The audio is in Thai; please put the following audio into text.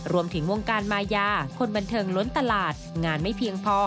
รวมถึงวงการมายาคนบันเทิงล้นตลาดงานไม่เพียงพอ